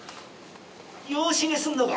養子にすんのか」